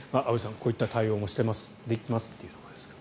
こういった対応もしていますできますということですが。